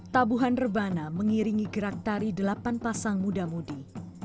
tabuhan rebana mengiringi gerak tari delapan pasang muda mudi